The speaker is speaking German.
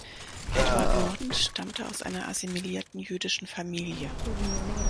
Eduard Norden stammte aus einer assimilierten jüdischen Familie.